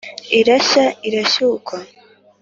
irashya irashyukwa